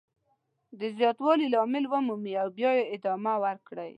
د زیاتوالي لامل ومومئ او بیا یې ادامه ورکړئ.